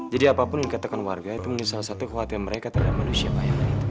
jadi apapun yang katakan warga itu salah satu khawatir mereka terhadap manusia bayangan itu